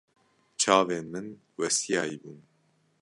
Çavên min westiyayî bûn.